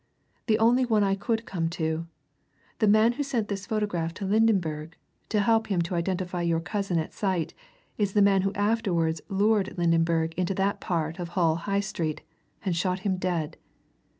The only one I could come to. The man who sent this photograph to Lydenberg, to help him to identify your cousin at sight, is the man who afterwards lured Lydenberg into that part of Hull High Street, and shot him dead.